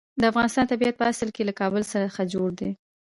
د افغانستان طبیعت په اصل کې له کابل څخه جوړ دی.